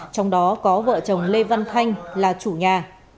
trong đó có vợ chồng lê văn thanh là chủ nhà